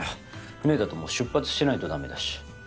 船だともう出発してないと駄目だし。